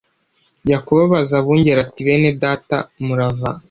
yakobo abaza abungeri ati bene data murava